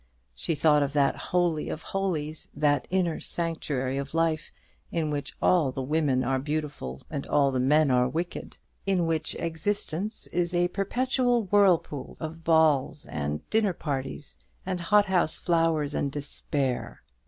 She thought of that holy of holies, that inner sanctuary of life, in which all the women are beautiful and all the men are wicked, in which existence is a perpetual whirlpool of balls and dinner parties and hothouse flowers and despair.